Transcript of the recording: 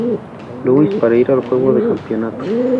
Louis para ir al juego de campeonato.